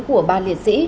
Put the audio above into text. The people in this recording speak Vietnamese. của ba liệt sĩ